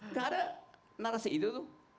nggak ada narasi itu tuh